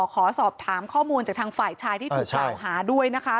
ขอสอบถามข้อมูลจากทางฝ่ายชายที่ถูกกล่าวหาด้วยนะคะ